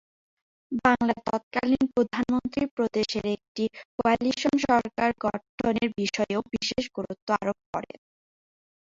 বাংলার তৎকালীন প্রধানমন্ত্রী প্রদেশে একটি কোয়ালিশন সরকার গঠনের বিষয়েও বিশেষ গুরুত্ব আরোপ করেন।